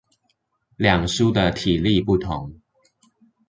兩書的體例不同